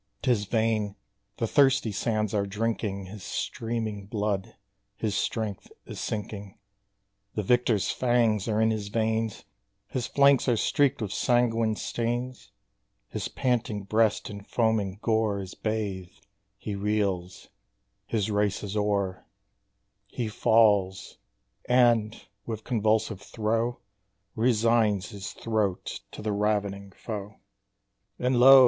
'Tis vain; the thirsty sands are drinking His streaming blood his strength is sinking; The victor's fangs are in his veins His flanks are streaked with sanguine stains His panting breast in foam and gore Is bathed he reels his race is o'er: He falls and, with convulsive throe, Resigns his throat to the ravening foe! And lo!